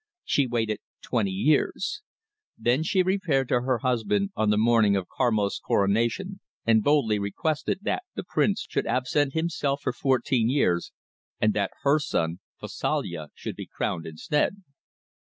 She waited twenty years. Then she repaired to her husband on the morning of Karmos' coronation and boldly requested that the prince should absent himself for fourteen years, and that her son Fausalya should be crowned instead."